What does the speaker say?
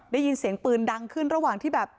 ได้ยินเสียงปืนดังขึ้นระหว่างที่แบบ